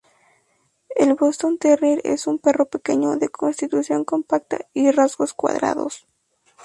El boston terrier es un perro pequeño, de constitución compacta y rasgos cuadrados.